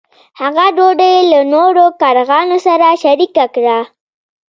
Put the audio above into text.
هغه ډوډۍ له نورو کارغانو سره شریکه کړه.